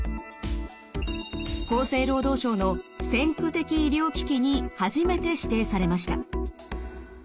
厚生労働省の先駆的医療機器に初めて指定されました。